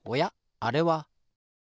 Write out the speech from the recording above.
あれは。